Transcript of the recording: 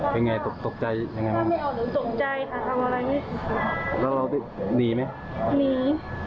เป็นไงตกตกใจยังไงตกใจค่ะทำอะไรไม่สุดค่ะแล้วเราหนีไหมหนี